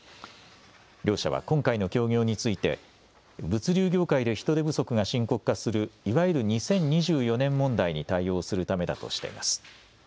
両社は今回の協業について物流業界で人手不足が深刻化するいわゆる２０２４年問題に対応するためだとしています。